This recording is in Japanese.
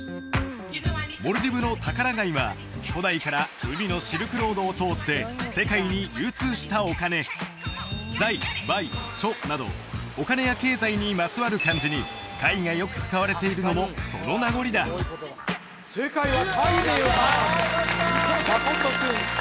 モルディブのタカラガイは古代から海のシルクロードを通って世界に流通したお金財買貯などお金や経済にまつわる漢字に「貝」がよく使われているのもその名残だ正解は「貝」でよかったんです